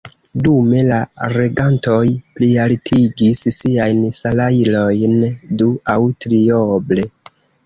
Dume la regantoj plialtigis siajn salajrojn du- aŭ trioble!